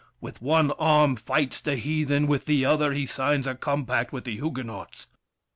With one arm fights the heathen, with the other He signs a compact with the Huguenots.